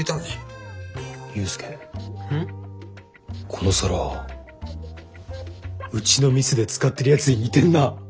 この皿うちの店で使ってるやつに似てんな。